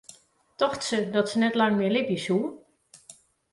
Tocht se dat se net lang mear libje soe?